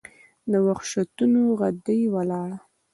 د وحشتونو ، غدۍ وَلاړه